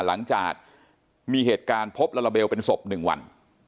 หลังจากมีเหตุการณ์พบลาลาเบลเป็นศพ๑วัน